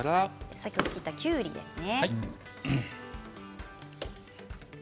先ほど切ったきゅうりですね。